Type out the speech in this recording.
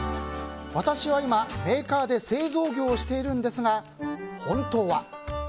私は今、メーカーで製造業をしているのですが本当は。